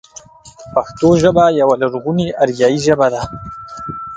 پښتو ژبه يوه لرغونې اريايي ژبه ده.